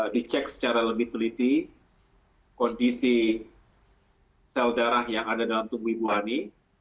dicek secara lebih teliti kondisi sel darah yang ada dalam tubuh ibu ani